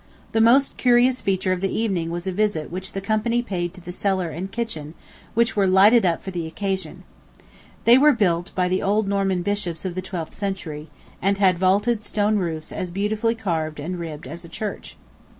The most curious feature of the evening was a visit which the company paid to the cellar and kitchen, which were lighted up for the occasion. They were build by the old Norman bishops of the twelfth century, and had vaulted stone roofs as beautifully carved and ribbed as a church.